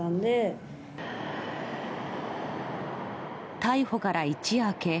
逮捕から一夜明け